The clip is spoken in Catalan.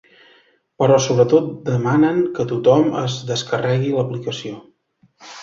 Però sobretot demanen que tothom es descarregui l’aplicació.